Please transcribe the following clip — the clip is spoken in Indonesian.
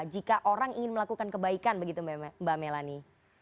jika orang ingin melakukan kebaikan begitu mbak melani